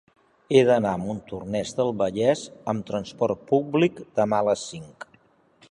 He d'anar a Montornès del Vallès amb trasport públic demà a les cinc.